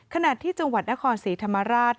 ขณะที่จังหวัดนครศรีธรรมราช